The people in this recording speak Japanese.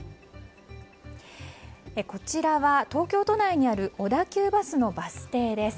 こちらは東京都内にある小田急バスのバス停です。